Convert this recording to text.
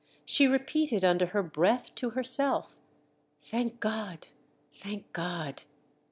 She repeated under her breath to herself: "Thank God! thank God!"